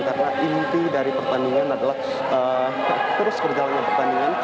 karena inti dari pertandingan adalah terus kerjalannya pertandingan